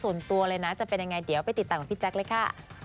ส่วนตัวเลยนะจะเป็นยังไงเดี๋ยวไปติดตามของพี่แจ๊คเลยค่ะ